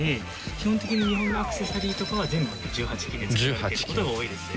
基本的に日本のアクセサリーとかは全部１８金で作られてる事が多いですね。